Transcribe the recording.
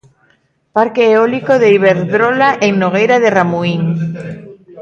Parque eólico de Iberdrola en Nogueira de Ramuín.